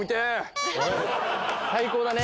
最高だね！